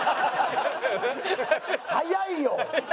早いよ！